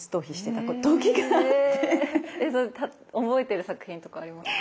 覚えてる作品とかありますか？